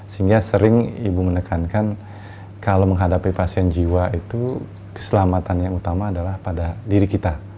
sehingga sering ibu menekankan kalau menghadapi pasien jiwa itu keselamatan yang utama adalah pada diri kita